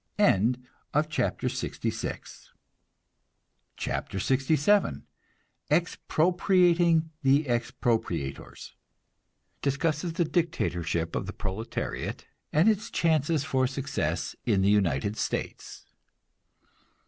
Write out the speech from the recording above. CHAPTER LXVII EXPROPRIATING THE EXPROPRIATORS (Discusses the dictatorship of the proletariat, and its chances for success in the United States.)